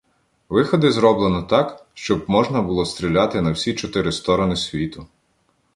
Виходи зроблено так, щоб можна було стріляти "на всі чотири сторони світу".